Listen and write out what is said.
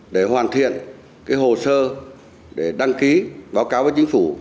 để hoàn thiện hồ sơ để đăng ký báo cáo với chính phủ